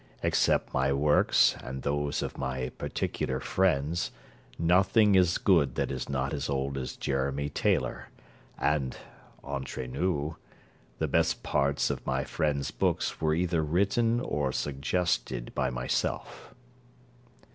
Except my works and those of my particular friends, nothing is good that is not as old as Jeremy Taylor: and, entre nous, the best parts of my friends' books were either written or suggested by myself.